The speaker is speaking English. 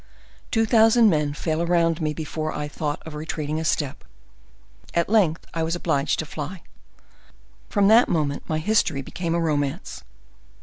Two thousand men fell around me before I thought of retreating a step. At length I was obliged to fly. "From that moment my history became a romance.